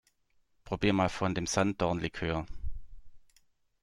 Probier mal von dem Sanddornlikör!